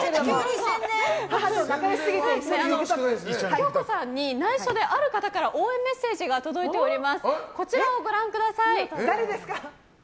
京子さんに内緒で、ある方から応援メッセージが届いております。